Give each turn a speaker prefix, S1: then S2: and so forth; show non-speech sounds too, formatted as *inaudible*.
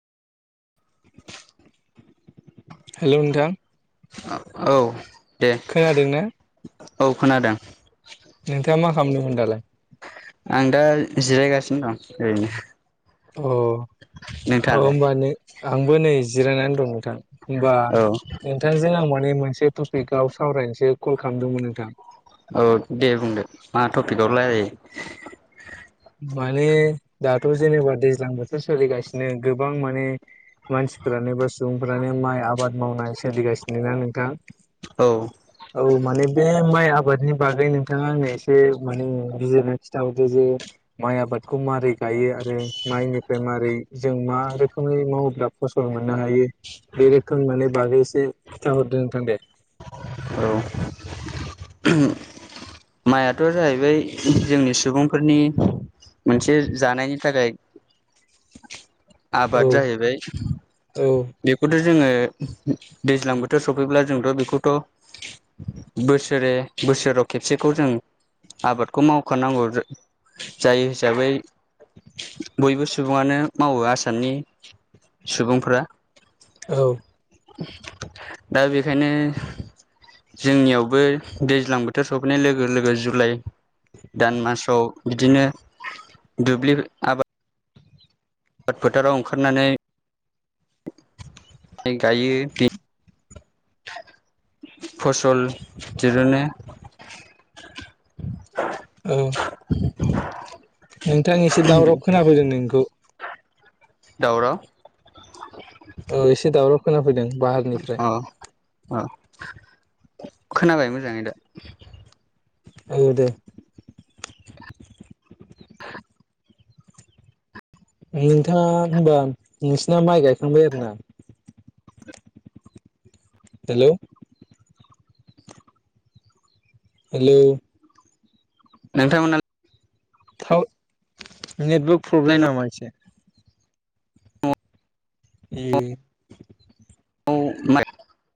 S1: Hello नोंथां।
S2: औ दे।
S1: खोनादों ना।
S2: औ खोनादों।
S1: नोंथांङा मा खालामदोंमोन दालाय।
S2: आं दा जिरायगासिनो दं ओरैनो।
S1: अ औ
S2: नोंथाङालाय
S1: होमबा नै आंबो नै जिरायनानै दं नोंथां। होमबा
S2: औ
S1: नोंथांजों आं माने मोनसे टपिकआव सावरायनोसो कल खालामदोंमोन नोंथां।
S2: औ दे बुंदो मा टपिकआव रायलायो।
S1: माने दाथ' जेनेबा दैज्लां बोथोर सोलिगासिनो गोबां माने। मानसिफोरानो बा सुबुंफोरानो माइ आबाद मावनाय सोलिगासिनो ना नोंथां।
S2: औ।
S1: औ माने बे माइ आबादनि बागै नोंथांङा आंनो एसे माने बिजिरना। खिथा हरदो जे। माइ आबादखौ मारै गायो आरो माइनिफ्राय मारै जों मा रोखोमै मावोब्ला। फसल मोननो हायो बे रोखोम माने बागै एसे खिथाहरदों नोंथां दे
S2: औ माइआथ' जाहैबाय जोंनि सुबुंफोरनि मोनसे जानायनि थाखाय
S1: औ
S2: आबाद जाहैबाय
S1: औ
S2: बेखौथ' जोङो दैज्लां बोथोर सफैब्ला जोंथ' बेखौथ' बोसोरे बोसोराव खे बसेखौ जों आबादखौ मावखानांगौ जा जायो हिसाबै बयबो सुबुङानो मावो आसामनि सुबुंफोरा
S1: औ
S2: दा बेखायनो जोंनियावबो दैज्लां बोथोर सोफैनाय लोगो-लोगो जुलाइ दान मासाव बिदिनो दुब्लि आबाद आबाद फोथाराव ओंखारनानै गायो बे फसल दिरुनो
S1: औ नोंथां एसे दावराब खोनाबोदों नोंखौ
S2: दावराव
S1: औ एसे दावराव खोना फैदों बाहारनिफ्राय
S2: औ खोनाबाय मोजाङै दा?
S1: औ दे
S2: *inaudible*
S1: नोंथाङा होनबा नोंसिना माइ गायखांबाय आरो ना? हेल' हेलौ
S2: नोंथांमोना
S1: थावत नेटबक प्रब्लेम नामा एसे? एये
S2: औ माय